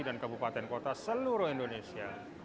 dan kebupaten kota seluruh indonesia